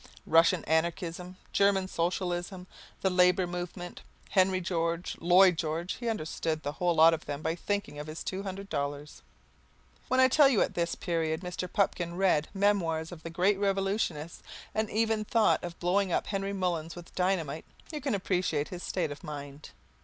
Russian Anarchism, German Socialism, the Labour Movement, Henry George, Lloyd George, he understood the whole lot of them by thinking of his two hundred dollars. When I tell you that at this period Mr. Pupkin read Memoirs of the Great Revolutionists and even thought of blowing up Henry Mullins with dynamite, you can appreciate his state of mind.